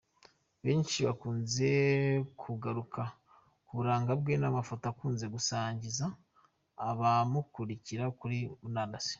benshi bakunze kugaruka ku buranga bwe n’amafoto akunze gusangiza abamukurikira kuri murandasi .